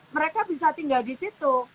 mereka bisa tinggal di situ